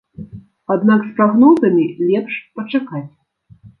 Аднак з прагнозамі лепш пачакаць.